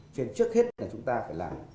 trên trước hết chúng ta phải làm